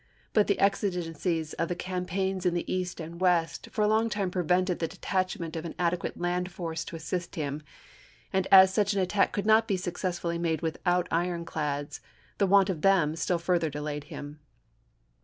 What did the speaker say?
But the exigencies of the campaigns in the East and West for a long time prevented the detach ment of an adequate land force to assist him ; and as such an attack could not be successfully made without ironclads, the want of them still further delayed him.